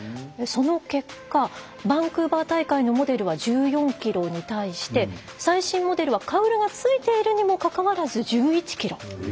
その結果バンクーバー大会のモデルは１４ｋｇに対して最新モデルはカウルがついているにもかかわらず、１１ｋｇ。